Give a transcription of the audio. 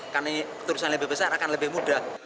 karena ini tulisannya lebih besar akan lebih mudah